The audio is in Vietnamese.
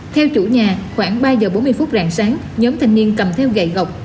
theo chủ nhà khoảng ba giờ bốn mươi phút rạng sáng nhóm thanh niên cầm theo gậy gọc